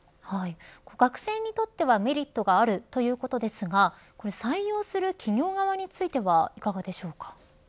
学生にとってはメリットがあるということですが採用する企業側についてはいかがですか。